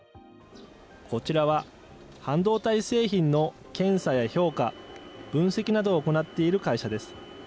こちらは、半導体製品の検査や評価・分析などを行っている会社です。